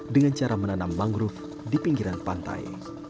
dengan cara menanam mangrove di pinggiran pantai